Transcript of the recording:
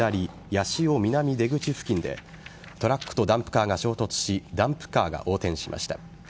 八潮南出口付近でトラックとダンプカーが衝突しダンプカーが横転しました。